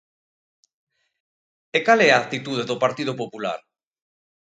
E ¿cal é a actitude do Partido Popular?